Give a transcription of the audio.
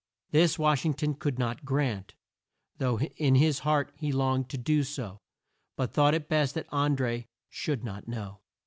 This Wash ing ton could not grant, though in his heart he longed to do so; but thought it best that An dré should not know.